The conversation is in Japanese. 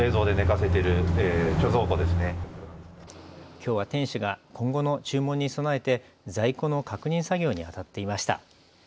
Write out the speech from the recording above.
きょうは店主が今後の注文に備えて在庫の確認作業にあたっていました。